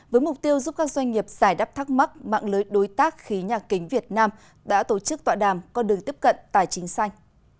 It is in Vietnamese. với mục tiêu giúp các doanh nghiệp giải đáp thắc mắc mạng lưới đối tác khí nhà kính việt nam đã tổ chức tọa đàm con đường tiếp cận tài chính xanh